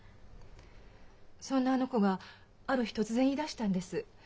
そんなあの子がある日突然言いだしたんです。